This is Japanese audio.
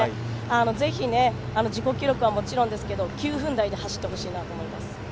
ぜひ自己記録はもちろんですけど９分台で走ってほしいなと思います。